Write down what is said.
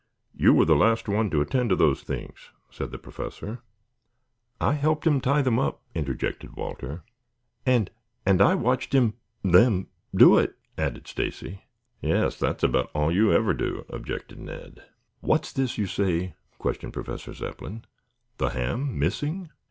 You were the last one to attend to those things," said the Professor. "I helped him tie them up," interjected "Walter. "And and I watched him them do it," added Stacy. "Yes, that's about all you ever do do," objected Ned. "What's this you say?" questioned Professor Zepplin. "The ham missing?"